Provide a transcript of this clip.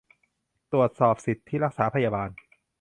ตรวจสอบสิทธิรักษาพยาบาล